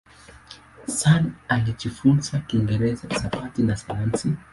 Sun alijifunza Kiingereza, hisabati na sayansi.